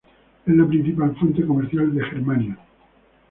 Es la principal fuente comercial de germanio.